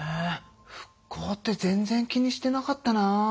復興って全然気にしてなかったな。